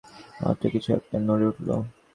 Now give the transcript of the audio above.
মাত্র কিছু একটা নড়ে উঠলো!